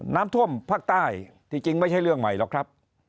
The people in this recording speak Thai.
น้ำท่วมภาคใต้ที่จริงไม่ใช่เรื่องใหม่หรอกครับ